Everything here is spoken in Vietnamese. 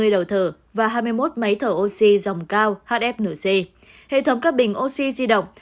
một trăm năm mươi đầu thở và hai mươi một máy thở oxy dòng cao hfnc hệ thống các bình oxy di động